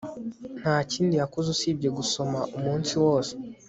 Nta kindi yakoze usibye gusoma umunsi wose